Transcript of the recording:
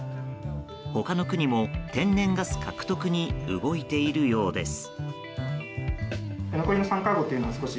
他の国も天然ガス獲得に動いているようです。